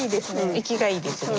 生きがいいですね。